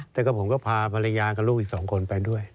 แต่ก็ผมก็พาภรรยากับลูกอีก๒คนไปด้วย